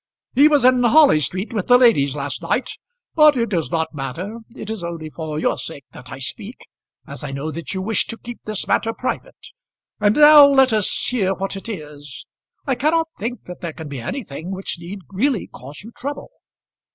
"He was in Harley Street with the ladies last night. But it does not matter. It is only for your sake that I speak, as I know that you wish to keep this matter private. And now let us hear what it is. I cannot think that there can be anything which need really cause you trouble."